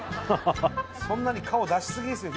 そんなに顔出しすぎですよ